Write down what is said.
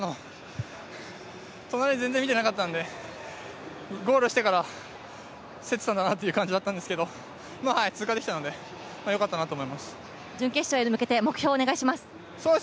隣全然見てなかったので、ゴールしてから競ってたんだなという感じだったんですけど通過できたので準決勝に向けて目標をお願いします。